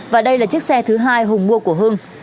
và đây là chiếc xe thứ hai hùng mua của hương